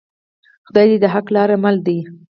خدای د حقې لارې مل دی